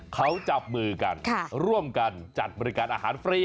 เขาจับมือกันร่วมกันจัดบริการอาหารฟรี